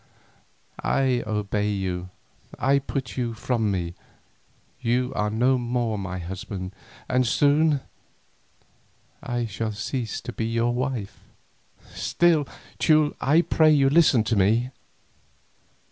I obey you, I put you from me, you are no more my husband, and soon I shall cease to be your wife; still, Teule, I pray you listen to me.